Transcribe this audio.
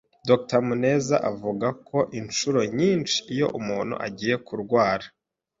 Dr Muneza avuga ko inshuro nyinshi iyo umuntu agiye kurwara